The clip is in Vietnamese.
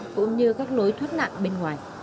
cũng như các lối thoát nạn bên ngoài